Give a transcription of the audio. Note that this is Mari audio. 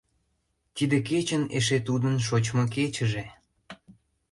Тиде кечын эше тудын шочмо кечыже.